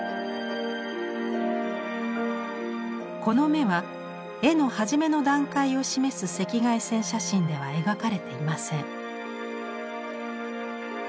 この眼は絵の初めの段階を示す赤外線写真では描かれていません。